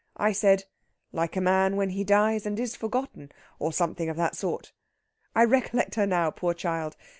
I said, 'Like a man when he dies and is forgotten,' or something of that sort. I recollect her now poor child!